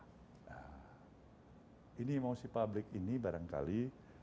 nah ini emosi publik ini barangkali